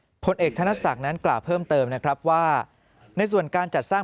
นะครับผลเอกทนักศึกษากรรมนั้นตาร์เพิ่มเติมนะครับว่าในส่วนการจัดสร้าง